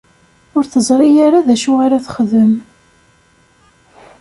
Ur teẓri ara d acu ara texdem.